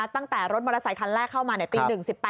ตั้งแต่รถมอเตอร์ไซต์คันแรกเข้ามาในตีหนึ่ง๑๘